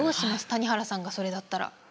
谷原さんがそれだったら。